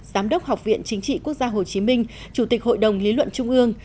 giám đốc học viện chính trị quốc gia hồ chí minh chủ tịch hội đồng lý luận trung ương